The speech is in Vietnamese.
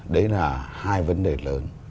đấy là hai vấn đề lớn